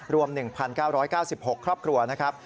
รวม๑๙๙๖ครอบครัวนะครับ